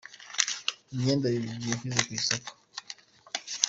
Imyenda Lil G yashyize ku isoko .